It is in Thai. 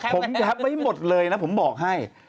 ผมยับไว้หมดเลยนะผมบอกให้